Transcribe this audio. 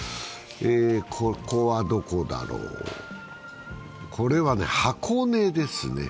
ここはどこだろう、これは箱根ですね。